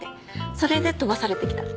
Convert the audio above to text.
それで飛ばされてきたって。